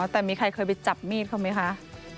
แต่มีใครเคยไปจับมีดเขาไหมคะ